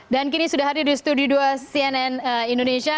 dan kini sudah hadir di studio dua cnn indonesia